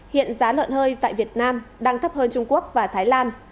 hiện giá lợn hơi tại việt nam đang thấp hơn trung quốc và thái lan